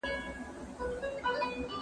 موږ د فشار پر وخت تېز خوراک کوو.